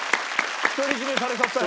独り占めされちゃったよ。